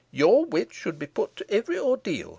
Your witch should be put to every ordeal.